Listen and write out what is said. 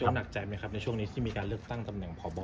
พี่โจ๊ะนักใจไหมครับในช่วงนี้ที่มีการเลือกตั้งตำแหน่งพอบอแล้วมาโดนแบบนี้